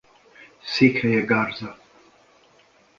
Székhelye Garza.